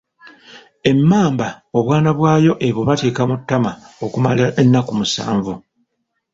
Emmamba obwana bwayo ebubatika mu ttama okumala ennaku Musanvu.